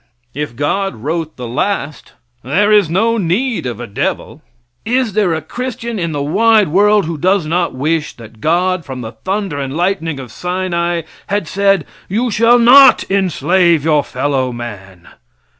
If God wrote the last, there is no need of a devil. Is there a Christian in the wide world who does not wish that God, from the thunder and lightning of Sinai, had said: "You shall not enslave your fellow man!"